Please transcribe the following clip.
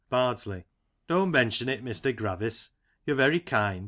Bardsley: Don't mention it, Mr. Gravis, you're very kind.